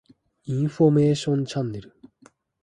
電車やバスで眠れるといいですね